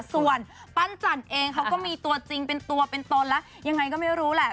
ส่วนปั้นจันเองเขาก็มีตัวจริงเป็นตัวเป็นตนแล้วยังไงก็ไม่รู้แหละ